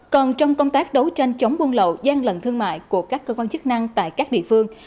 còn trong công tác đấu tranh chống buôn lậu gian lận thương mại của các cơ quan chức năng tại các địa phương